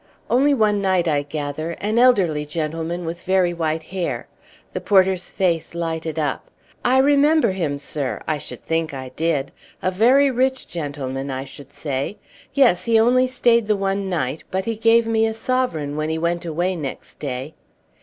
"Only one night, I gather an elderly gentleman with very white hair." The porter's face lighted up. "I remember him, sir! I should think I did! A very rich gentleman, I should say; yes, he only stayed the one night, but he gave me a sovereign when he went away next day."